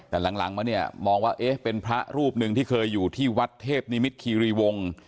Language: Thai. แต่หลังมาเนี่ยมองว่าเอ๊ะเป็นพระรูปหนึ่งที่เคยอยู่ที่วัดเทพนิมิตคีรีวงศ์